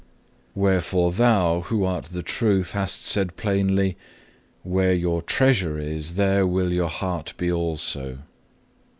6. Wherefore Thou, who art the Truth, hast plainly said, Where your treasure is, there will your heart be also.